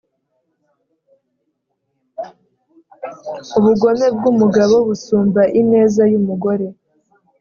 Ubugome bw’umugabo busumba ineza y’umugore;